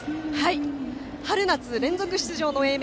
春夏連続出場の英明。